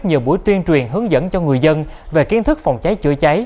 nhiều buổi tuyên truyền hướng dẫn cho người dân về kiến thức phòng cháy chữa cháy